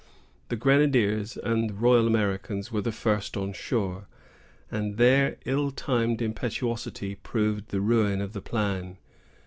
The grenadiers and Royal Americans were the first on shore, and their ill timed impetuosity proved the ruin of the plan.